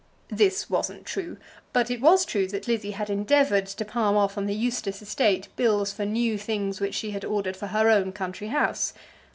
This wasn't true; but it was true that Lizzie had endeavoured to palm off on the Eustace estate bills for new things which she had ordered for her own country house.